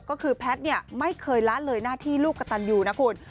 ก็คือแพทย์ไม่เคยละเลยหน้าที่ลูกกระตันยูนะคุณ